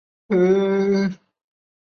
他们住在皇家坦布里奇韦尔斯。